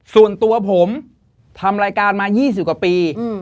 ส่วนตัวผมทำรายการมา๒๐กว่าปี